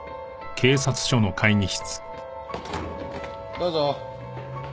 どうぞ。